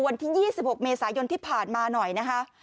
วันที่๒๖เมษายนที่ผ่านมาหน่อยนะคะ